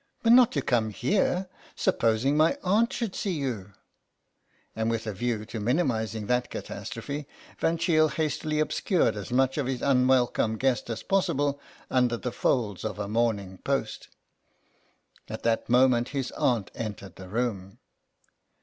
" But not to come here. Supposing my aunt should see you !" And with a view to minimising that cata strophe. Van Cheele hastily obscured as much of his unwelcome guest as possible under the folds of a Morning Post At that moment his aunt entered the room.